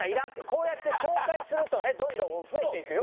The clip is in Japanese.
こうやって紹介するとねどんどん増えていくよ？